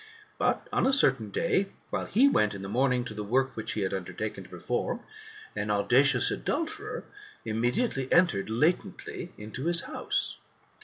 But, on a certain day, while he went in the morning to the work which he had undertaken to perform, an audacious adulterer immediately entered latently into his house.